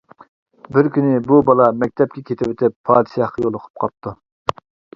بىز كۈنى بۇ بالا مەكتەپكە كېتىۋېتىپ پادىشاھقا يولۇقۇپ قاپتۇ.